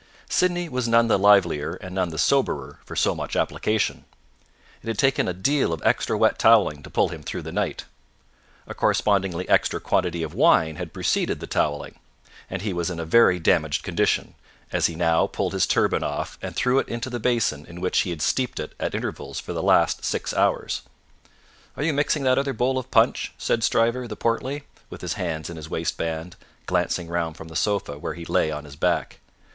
Sydney was none the livelier and none the soberer for so much application. It had taken a deal of extra wet towelling to pull him through the night; a correspondingly extra quantity of wine had preceded the towelling; and he was in a very damaged condition, as he now pulled his turban off and threw it into the basin in which he had steeped it at intervals for the last six hours. "Are you mixing that other bowl of punch?" said Stryver the portly, with his hands in his waistband, glancing round from the sofa where he lay on his back.